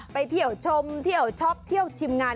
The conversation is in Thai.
ไปเที่ยวชมเที่ยวชอบเที่ยวชิมงาน